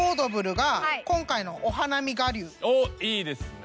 おっいいですね。